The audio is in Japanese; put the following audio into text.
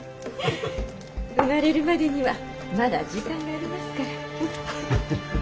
生まれるまでにはまだ時間がありますから。